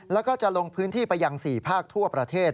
แล้วก็จะลงพื้นที่ไปยัง๔ภาคทั่วประเทศ